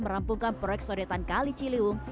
merampungkan proyek sodetan kali ciliwung